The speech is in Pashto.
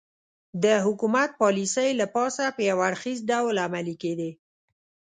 د حکومت پالیسۍ له پاسه په یو اړخیز ډول عملي کېدې